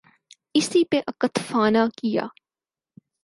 اسی پہ اکتفا نہ کیا۔